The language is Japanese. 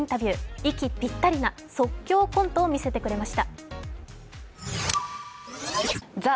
息ぴったりな即興コントを見せてくれました。